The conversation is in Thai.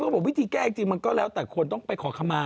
เพราะผมวิธีแกล้งจริงก็แล้วแต่ควรต้องไปขอขมา